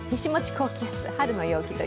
高気圧春の陽気と。